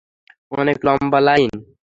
অনেক লম্বা লাইন।